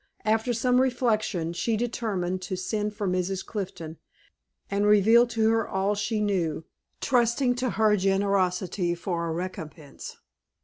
After some reflection, she determined to send for Mrs. Clifton, and reveal to her all she knew, trusting to her generosity for a recompense.